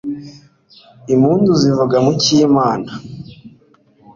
Impundu zivuga mu cy' Imana